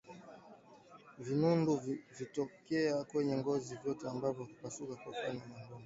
Vinundu hutokea kwenye ngozi yote ambavyo hupasuka na kufanya madonda au mabaka